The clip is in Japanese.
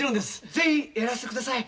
ぜひやらせて下さい。